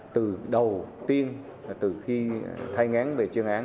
từ đầu tiên từ khi thay ngán về chuyên án